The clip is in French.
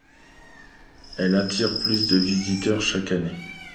Elle attire plus de visiteurs chaque année.